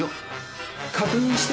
確認して。